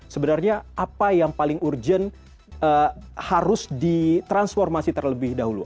sebenarnya apa yang paling urgent harus ditransformasi terlebih dahulu